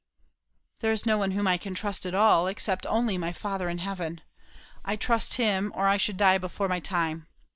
"There is no one whom I can trust at all. Except only my Father in heaven. I trust him, or I should die before my time.